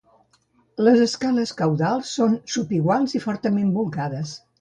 Les escales caudals són sub-iguals i fortament volcades.